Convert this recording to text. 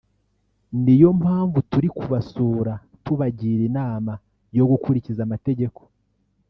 ni yo mpamvu turi kubasura tubagira inama yo gukurikiza amategeko